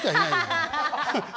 ハハハハ。